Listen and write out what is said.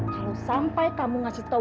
kalau sampai kamu ngasih tau